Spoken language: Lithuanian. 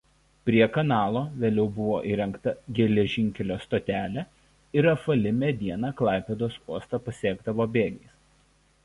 Prie kanalo vėliau buvo įrengta geležinkelio stotelė ir apvali mediena Klaipėdos uostą pasiekdavo bėgiais.